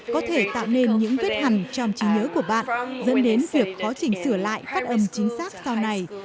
có thể tạo nên những vết hẳn trong trí nhớ của bạn dẫn đến việc quá trình sửa lại phát âm chính xác sau này